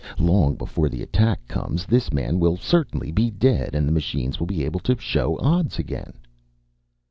Long before the attack comes this man will certainly be dead, and the machines will be able to show odds again."